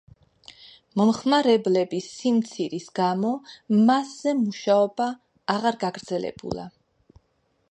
მომხმარებლების სიმცირის გამო, მასზე მუშაობა, აღარ გაგრძელებულა.